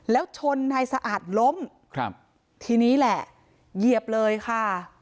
แล้วชนนายสะอาดล้มครับทีนี้แหละเหยียบเลยค่ะ